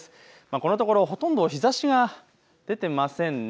このところ、ほとんど日ざしが出ていませんね。